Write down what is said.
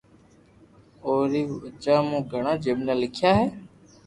اوري وجہ مون گھڻا جملا ليکيا ھي